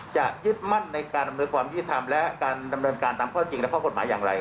จะยึดมั่นในการอำนวยความยุติธรรมและการดำเนินการตามข้อจริงและข้อกฎหมายอย่างไร